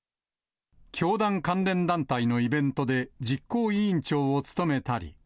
教団関連団体のイベントで実行委員長を務めたり。